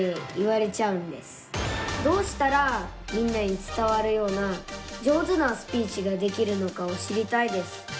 どうしたらみんなに伝わるような上手なスピーチができるのかを知りたいです。